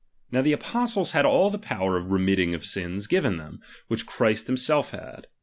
Nowboijadg. the apostles had all the power of remitting of sins ^^^^ given them, which Christ himself had.